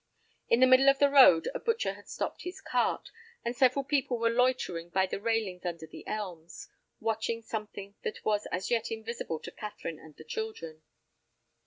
In the middle of the road a butcher had stopped his cart, and several people were loitering by the railings under the elms, watching something that was as yet invisible to Catherine and the children.